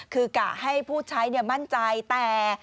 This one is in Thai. คือกะให้ผู้ใช้มั่นใจแต่